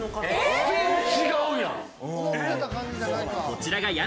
全然、違うやん！